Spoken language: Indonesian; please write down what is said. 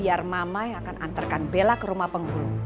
biar mama yang akan antarkan bela ke rumah penghulu